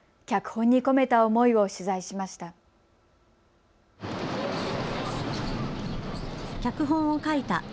脚本に込めた思いを取材しました。